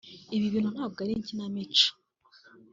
Ibi bintu ntabwo ari ikinamico